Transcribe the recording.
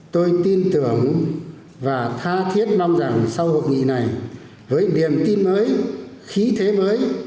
tôi tin tưởng và tha thiết mong rằng sau hội nghị này với niềm tin mới khí thế mới